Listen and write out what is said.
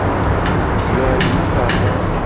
Yo aditama.